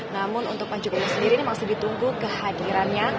namun untuk panji gumilang sendiri ini masih ditunggu kehadirannya